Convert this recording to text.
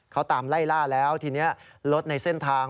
เขาตามไล่ล่าแล้วทีนี้รถในเส้นทาง